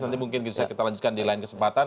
nanti mungkin bisa kita lanjutkan di lain kesempatan